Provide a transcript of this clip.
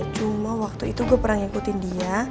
cuma waktu itu gue pernah ngikutin dia